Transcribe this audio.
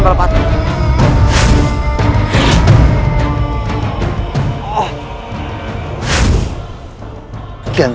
dia lebih dekat